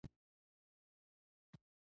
ساه يې تر پزې راووته.